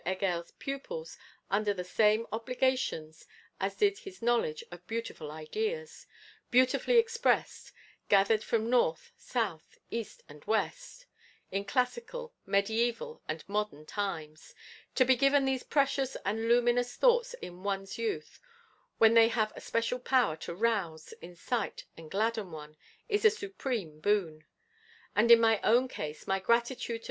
Heger's pupils under the same obligations as did his knowledge of beautiful ideas, beautifully expressed, gathered from north, south, east and west, in classical, mediæval and modern times. To be given these precious and luminous thoughts in one's youth, when they have a special power to 'rouse, incite and gladden one,' is a supreme boon: and in my own case my gratitude to M.